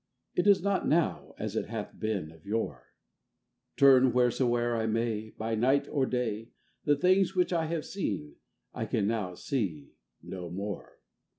It is not now as it hath been of yore ; â â Turn whereso'er I may, By night or day, The things which I have seen I now can see no more.